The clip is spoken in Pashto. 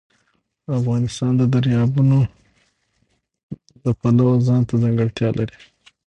افغانستان د دریابونه د پلوه ځانته ځانګړتیا لري.